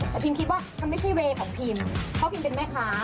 แต่พิมคิดว่ามันไม่ใช่เวย์ของพิมเพราะพิมเป็นแม่ค้า